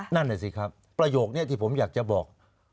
นั่นน่ะสิครับประโยคนี้ที่ผมอยากจะบอก